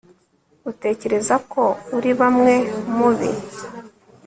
utekereza ko uri bamwe mubi